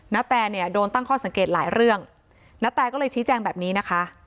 นาแตเนี่ยโดนตั้งข้อสังเกตหลายเรื่องณแตก็เลยชี้แจงแบบนี้นะคะ